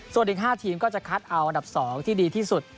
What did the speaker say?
ส่วนอีก๕ทีมก็จะคัดเอาอันดับ๒ที่ดีที่สุด